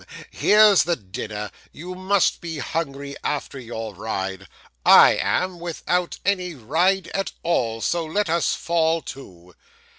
Here's the dinner. You must be hungry after your ride. I am, without any ride at all; so let us fall to.